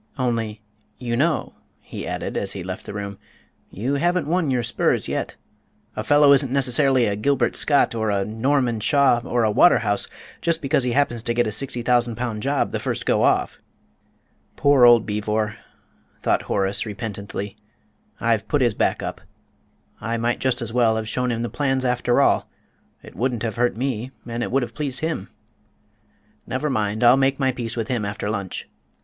Only, you know," he added, as he left the room, "you haven't won your spurs yet. A fellow isn't necessarily a Gilbert Scott, or a Norman Shaw, or a Waterhouse just because he happens to get a sixty thousand pound job the first go off!" "Poor old Beevor!" thought Horace, repentantly, "I've put his back up. I might just as well have shown him the plans, after all; it wouldn't have hurt me and it would have pleased him. Never mind, I'll make my peace with him after lunch.